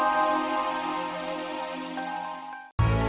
warga terudah itu